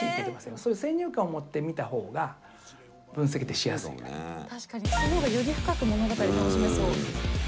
そういう先入観をもって見た方が確かにその方がより深く物語楽しめそう。